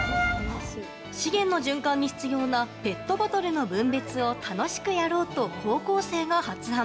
資源の循環に必要なペットボトルの分別を楽しくやろうと高校生が発案。